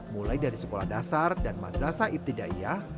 mulai dari sekolah dasar dan madrasa ibtidaiyah